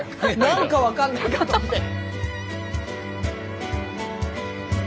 何か分かんないかと思って。